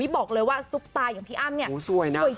บอกเลยว่าซุปตายแบบพี่อ้อมสวยจริง